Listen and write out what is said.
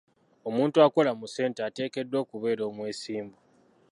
Omuntu akola mu ssente ateekeddwa okubeera omwesimbu.